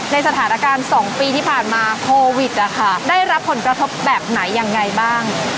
ในสถานการณ์๒ปีที่ผ่านมาโควิดได้รับผลกระทบแบบไหนยังไงบ้าง